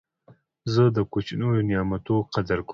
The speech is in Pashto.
زه د کوچنیو نعمتو قدر کوم.